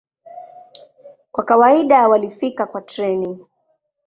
Kwa kawaida walifika kwa treni.